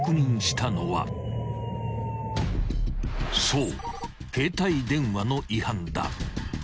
［そう携帯電話の違反だ］